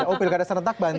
oh pilkartes rentak banten